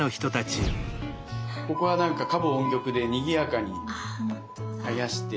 ここはなんか歌舞音曲でにぎやかにはやして。